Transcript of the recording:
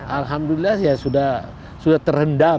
alhamdulillah ya sudah terendam